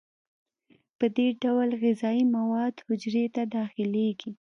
په دې ډول غذایي مواد حجرې ته داخلیږي.